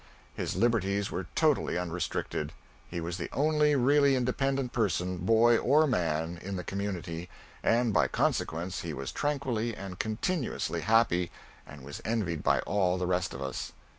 His liberties were totally unrestricted. He was the only really independent person boy or man in the community, and by consequence he was tranquilly and continuously happy, and was envied by all the rest of us.